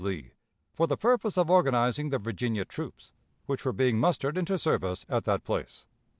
Lee, for the purpose of organizing the Virginia troops which were being mustered into service at that place....